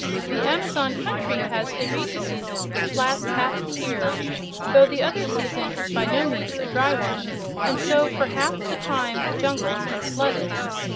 The Amazon country has a rainy season which lasts half the year, though the other season is by no means a dry one, and so for half the time the jungles are flooded.